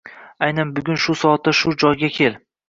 Aynan bugun shu soatda shu joyga kel.